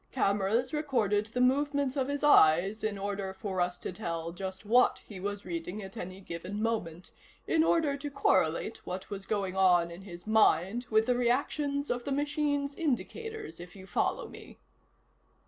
Cameras recorded the movements of his eyes in order for us to tell just what he was reading at any given moment, in order to correlate what was going on in his mind with the reactions of the machine's indicators, if you follow me."